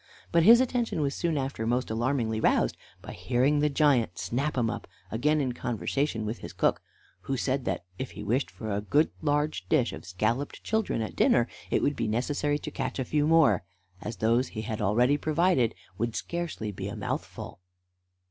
But his attention was soon after most alarmingly roused by hearing the giant Snap 'em up again in conversation with his cook, who said that, if he wished for a good large dish of scolloped children at dinner, it would be necessary to catch a few more, as those he had already provided would scarcely be a mouthful.